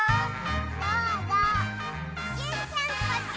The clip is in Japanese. どうぞジュンちゃんこっち！